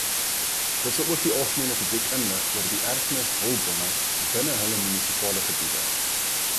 Dit sal ook die algemene publiek inlig oor die erfenishulpbronne binne hulle munisipale gebiede.